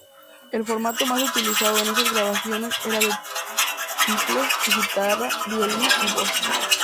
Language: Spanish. El formato más utilizado en estas grabaciones era de tiple, guitarra, violín y voz.